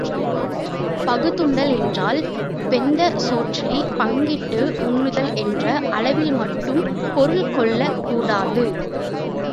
பகுத்துண்டல் என்றால் வெந்த சோற்றைப் பங்கிட்டு உண்ணுதல் என்ற அளவில் மட்டும் பொருள் கொள்ளக் கூடாது.